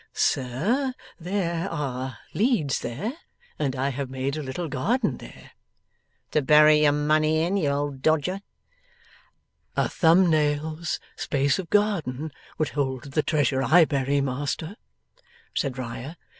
'Sir, there are leads there, and I have made a little garden there.' 'To bury your money in, you old dodger?' 'A thumbnail's space of garden would hold the treasure I bury, master,' said Riah.